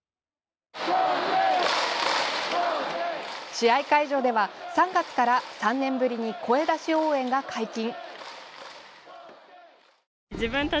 試合会場では、３月から３年ぶりに声出し応援が解禁。